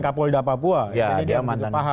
kapolda papua jadi dia paham